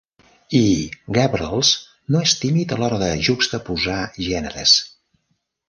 I Gabrels no és tímid a l'hora de juxtaposar gèneres.